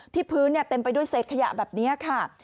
ที่พื้นเนี่ยเต็มไปด้วยเซ็ตขยะแบบนี้ค่ะ